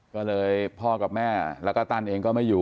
ก็เลยพ่อกับแม่แล้วก็ตั้นเองก็ไม่อยู่